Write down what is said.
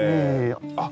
あっ！